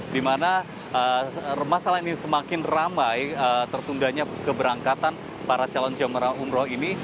di mana masalah ini semakin ramai tertundanya keberangkatan para calon jemaah umroh ini